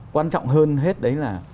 quan trọng hơn hết đấy là